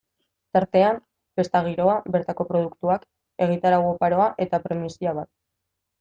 Tartean, festa giroa, bertako produktuak, egitarau oparoa eta primizia bat.